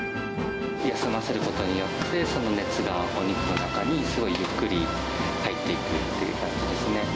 休ませることによって、その熱がお肉の中にゆっくり入っていくっていう感じですね。